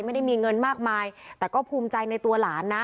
ไม่ได้มีเงินมากมายแต่ก็ภูมิใจในตัวหลานนะ